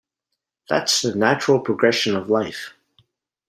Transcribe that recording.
That's the natural progression of life.